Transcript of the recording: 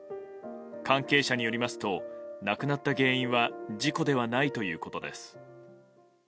関係者によりますと亡くなった原因は事故ではないということです。